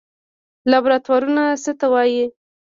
لابراتوار څه ته وایي؟